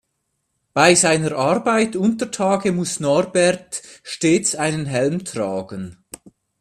Bei seiner Arbeit untertage muss Norbert stets einen Helm tragen.